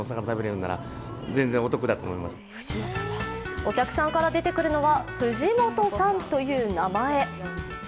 お客さんから出てくるのは藤本さんという名前。